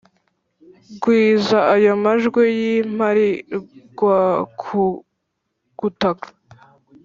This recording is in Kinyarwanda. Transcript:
gwiza ayo majwi y'imparirwakugutaka